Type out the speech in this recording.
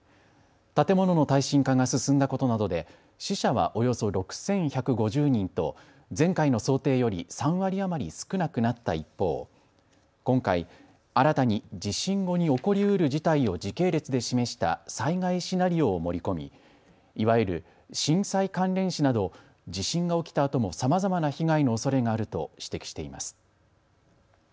建物の耐震化が進んだことなどで死者はおよそ６１５０人と前回の想定より３割余り少なくなった一方、今回、新たに地震後に起こりうる事態を時系列で示した災害シナリオを盛り込みいわゆる震災関連死など地震が起きたあともさまざまな被害のおそれがあると指摘しています。